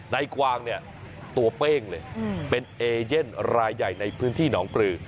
กวางเนี่ยตัวเป้งเลยเป็นเอเย่นรายใหญ่ในพื้นที่หนองปลือ